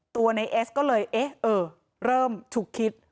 ตัวในเอสก็เลยเอ๊ะเริ่มฉุกคิด